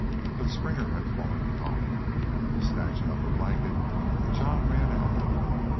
But Springer had fallen upon it. Snatching up a blanket, Jean ran out.